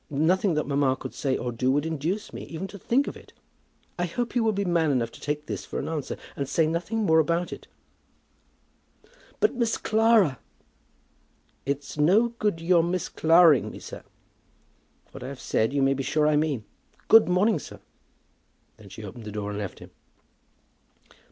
Nothing that mamma could say or do would induce me even to think of it. I hope you will be man enough to take this for an answer, and say nothing more about it." "But, Miss Clara " "It's no good your Miss Claraing me, sir. What I have said you may be sure I mean. Good morning, sir." Then she opened the door, and left him.